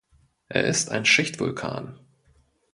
Er ist ein Schichtvulkan.